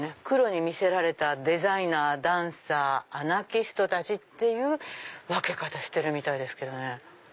「『黒』に魅せられたデザイナーダンサーアナキストたち」っていう分け方してるみたいです。